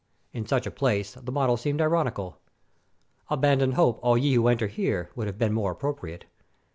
In such a place the motto seemed ironical. "Abandon hope, all ye who enter here," would have been more appropriate.